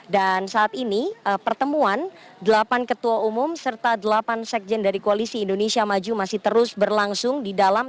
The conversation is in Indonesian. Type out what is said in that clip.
dan saat ini pertemuan delapan ketua umum serta delapan sekjen dari koalisi indonesia maju masih terus berlangsung di dalam